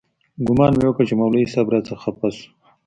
ګومان مې وکړ چې مولوي صاحب راڅخه خپه سو.